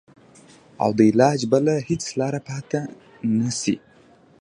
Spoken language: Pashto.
او د علاج بله هېڅ لاره پاته نه شي.